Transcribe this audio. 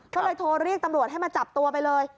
ก็เลยโทรเรียกตำรวจให้มาจับตัวไปเลย